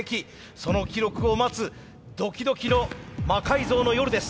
その記録を待つドキドキの「魔改造の夜」です。